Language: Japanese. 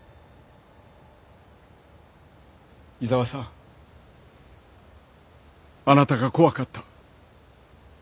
井沢さんあなたが怖かった。